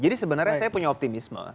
jadi sebenarnya saya punya optimisme